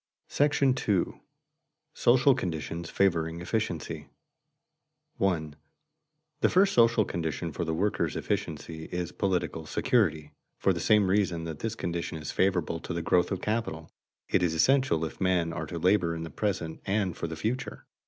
§ II. SOCIAL CONDITIONS FAVORING EFFICIENCY [Sidenote: Government to insure the reward to labor] 1. The first social condition for the workers' efficiency is political security. For the same reason that this condition is favorable to the growth of capital, it is essential if men are to labor in the present and for the future.